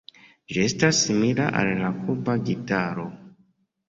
Ĝi estas simila al la Kuba gitaro.